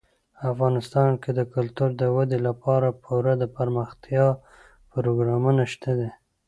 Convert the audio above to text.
افغانستان کې د کلتور د ودې لپاره پوره دپرمختیا پروګرامونه شته دي.